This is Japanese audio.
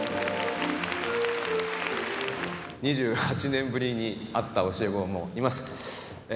２８年ぶりに会った教え子もいます。